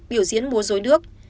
biểu diễn múa dối nước